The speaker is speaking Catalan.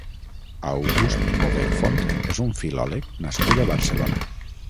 August Bover Font és un filòleg nascut a Barcelona.